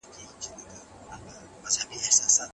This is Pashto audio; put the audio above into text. د الوتکې دننه د خلکو مختلف غږونه اورېدل کېدل.